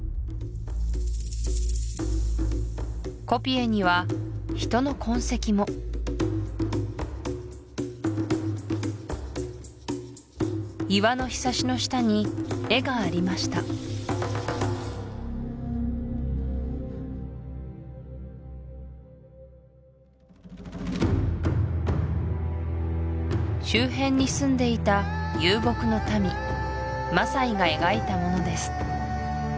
コピエには人の痕跡も岩のひさしの下に絵がありました周辺に住んでいた遊牧の民マサイが描いたものです